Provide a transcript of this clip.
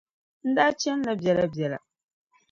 N daa chanila biɛlabiɛla.